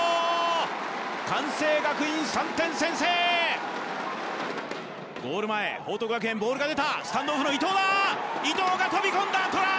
関西学院３点先制ゴール前報徳学園ボールが出たスタンドオフの伊藤だ伊藤が飛び込んだトライ！